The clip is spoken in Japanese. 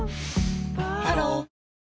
ハロー